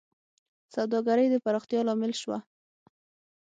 سوداګرۍ د پراختیا لامل شوه.